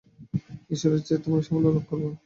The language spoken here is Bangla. ঈশ্বরেচ্ছায় তোমরা সাফল্য লাভ কর।